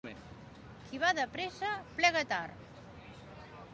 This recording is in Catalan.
Qui va de pressa, plega tard.